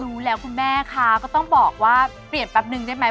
รู้แล้วคุณแม่คะก็ต้องบอกว่าเปลี่ยนแป๊บนึงได้ไหม